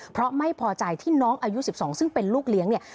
เพราะไม่พอใจที่น้องอายุ๑๒ซึ่งเป็นลูกเลี้ยงเนี่ย